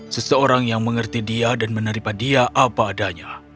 seseorang yang mengerti dia dan menerima dia apa adanya